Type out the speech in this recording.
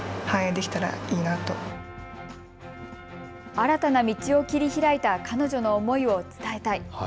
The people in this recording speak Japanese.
新たな道を切り開いた彼女の思いを伝えたい。